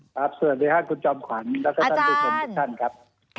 สวัสดีครับคุณจอมขวัญแล้วก็ท่านผู้ชมทุกท่านครับ